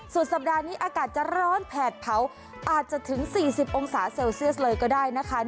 สุดสัปดาห์นี้อากาศจะร้อนแผดเผาอาจจะถึง๔๐องศาเซลเซียสเลยก็ได้นะคะ